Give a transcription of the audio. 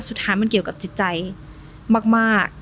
สุดท้ายมันเกี่ยวกับจิตใจมาก